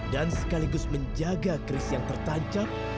dan sekaligus menjaga keris yang tertancap